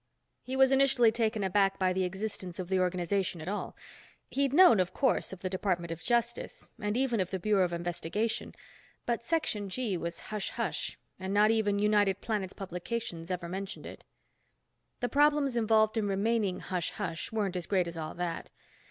He was initially taken aback by the existence of the organization at all. He'd known, of course, of the Department of Justice and even of the Bureau of Investigation, but Section G was hush hush and not even United Planets publications ever mentioned it. The problems involved in remaining hush hush weren't as great as all that.